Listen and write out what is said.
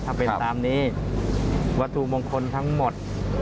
ถ้าเป็นตามนี้วัตถุมงคลทั้งหมด